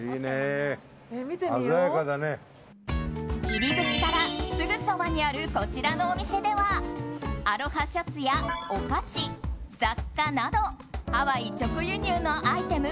入り口からすぐそばにあるこちらのお店ではアロハシャツやお菓子、雑貨などハワイ直輸入のアイテム